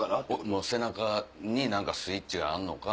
もう背中に何かスイッチがあんのか。